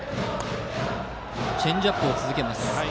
チェンジアップを続けます。